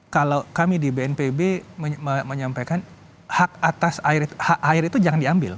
kalau kami di bnpb menyampaikan hak atas hak air itu jangan diambil